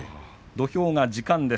土俵上は時間です。